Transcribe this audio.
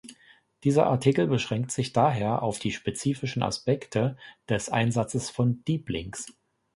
Dieser Artikel beschränkt sich daher auf die spezifischen Aspekte des Einsatzes von "Deep Links".